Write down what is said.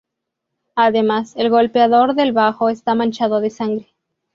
Además, el golpeador del bajo está manchado de sangre.